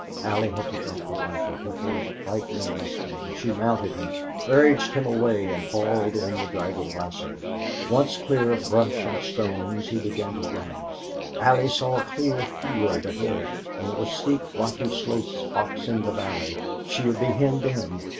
Allie had to drop the rifle to hold the frightened mustang. She mounted him, urged him away, and hauled in the dragging lasso. Once clear of brush and stones, he began to run. Allie saw a clear field ahead, but there were steep rocky slopes boxing the valley. She would be hemmed in.